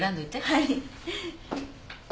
はい。